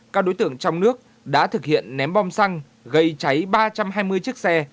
các đối tượng trong nước đã thực hiện ném bom xăng gây cháy ba trăm hai mươi chiếc xe